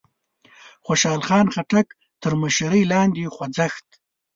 د خوشال خان خټک تر مشرۍ لاندې خوځښت